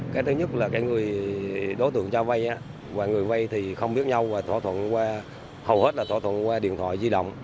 các người đối tượng cho vay và người vay thì không biết nhau và thỏa thuận qua hầu hết là thỏa thuận qua điện thoại di động